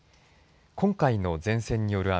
今回の前線による雨